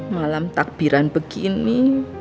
malam takbiran begini